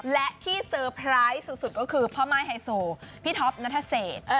และที่เซอร์ไพรส์สุดก็คือพ่อม่ายไฮโซพี่ท็อปนัทเศษ